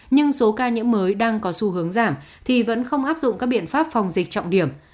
nhưng số ca nhiễm mới đang có xu hướng giảm thì vẫn không áp dụng các biện pháp phòng dịch trọng điểm